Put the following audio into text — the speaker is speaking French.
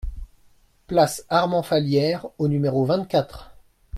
Place Armand-Fallières au numéro vingt-quatre